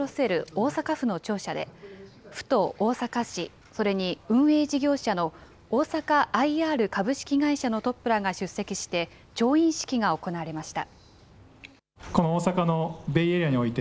大阪府の庁舎で、府と大阪市、それに運営事業者の大阪ＩＲ株式会社のトップらが出席して、調印式が行われました。